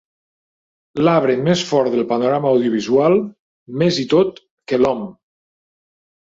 L'arbre més fort del panorama audiovisual, més i tot que l'om.